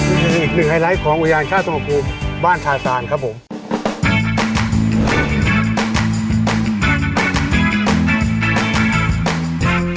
อีกหนึ่งไฮไลท์ของอุทยานแห่งชาติทองพาภูมิบ้านทาซานครับผม